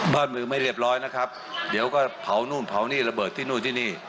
บ้านเมืองไม่เรียบร้อยนะครับเดี๋ยวก็เผานู่นเผานี่ระเบิดที่นู่นที่นี่